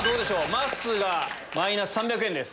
まっすーがマイナス３００円です。